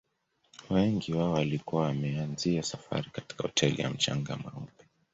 Wengi wao walikuwa wameanzia safari katika hoteli ya mchanga mweupe